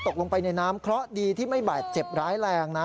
ตกลงไปในน้ำเคราะห์ดีที่ไม่บาดเจ็บร้ายแรงนะ